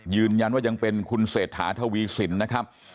ยืนยันว่ายังเป็นคุณเศรษฐาทวีสินนะครับ